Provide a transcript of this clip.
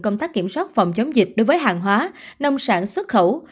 công tác kiểm soát phòng chống dịch đối với hàng hóa nông sản xuất khẩu